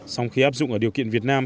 sau khi áp dụng ở điều kiện việt nam